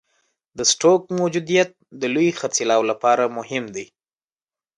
د سټوک موجودیت د لوی خرڅلاو لپاره مهم دی.